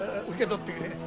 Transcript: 受け取ってくれ。